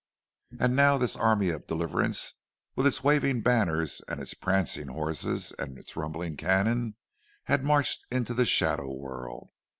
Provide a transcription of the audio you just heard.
And now this army of deliverance, with its waving banners and its prancing horses and its rumbling cannon, had marched into the shadow world.